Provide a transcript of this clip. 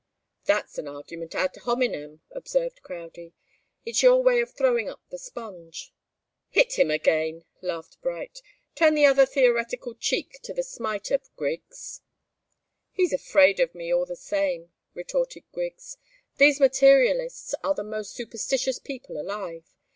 "That's an argument 'ad hominem,' " observed Crowdie. "It's your way of throwing up the sponge." "Hit him again!" laughed Bright. "Turn the other theoretical cheek to the smiter, Griggs!" "He's afraid of me, all the same," retorted Griggs. "These materialists are the most superstitious people alive.